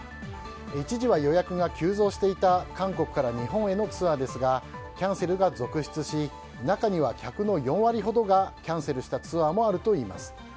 一時は予約が急増していた韓国から日本へのツアーですがキャンセルが続出し中には客の４割ほどがキャンセルしたツアーもあるといいます。